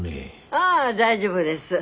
☎ああ大丈夫です。